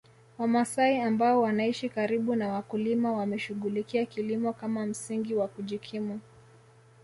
Wamasai ambao wanaishi karibu na wakulima wameshughulikia kilimo kama msingi wa kujikimu